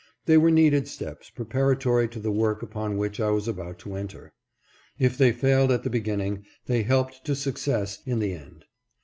They were needed steps preparatory to the work upon which I was about to enter. If they failed at the beginning, they helped to success in the end.